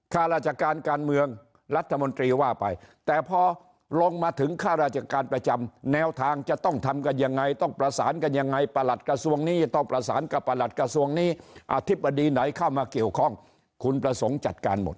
ข้าราชการการเมืองรัฐมนตรีว่าไปแต่พอลงมาถึงข้าราชการประจำแนวทางจะต้องทำกันยังไงต้องประสานกันยังไงประหลัดกระทรวงนี้ต้องประสานกับประหลัดกระทรวงนี้อธิบดีไหนเข้ามาเกี่ยวข้องคุณประสงค์จัดการหมด